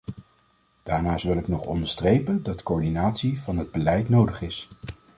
Daarnaast wil ik nog onderstrepen dat coördinatie van het beleid nodig is.